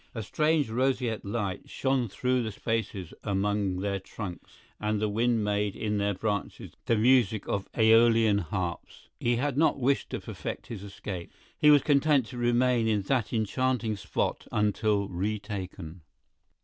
A strange roseate light shone through the spaces among their trunks and the wind made in their branches the music of AEolian harps. He had not wish to perfect his escape—he was content to remain in that enchanting spot until retaken.